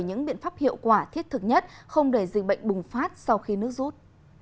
những biện pháp hiệu quả thiết thực nhất không để dịch bệnh bùng phát sau khi nước rút